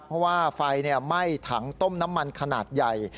เพราะว่าไฟไหม้ถังต้มน้ำมันขนาดใหญ่